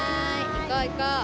行こう行こう。